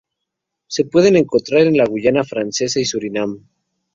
Se pueden encontrar en la Guayana Francesa y Surinam.